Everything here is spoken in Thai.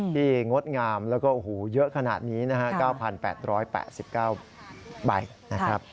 งดงามแล้วก็เยอะขนาดนี้นะฮะ๙๘๘๙ใบนะครับ